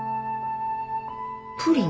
プリン？